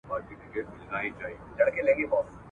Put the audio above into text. احمد پرون خپلي نوې دندې ته لېوالتیا وښودله.